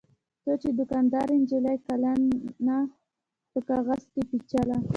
څو چې دوکاندارې نجلۍ کلنه په کاغذ کې پېچله.